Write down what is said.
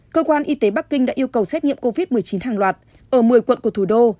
cơ quan y tế bắc kinh đã yêu cầu xét nghiệm covid một mươi chín hàng loạt ở một mươi quận của thủ đô